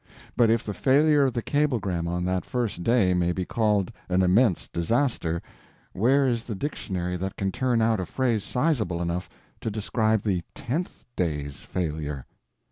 But if the failure of the cablegram on that first day may be called an immense disaster, where is the dictionary that can turn out a phrase sizeable enough to describe the tenth day's failure?